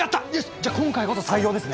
じゃ今回こそ採用ですね！